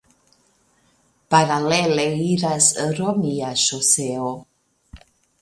Paralele iras romia ŝoseo.